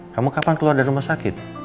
kamu kapan keluar dari rumah sakit